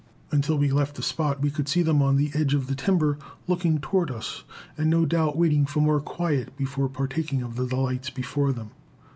Until we left the spot we could see them on the edge of the timber, looking toward us, and, no doubt, waiting for more quiet before partaking of the delights before them.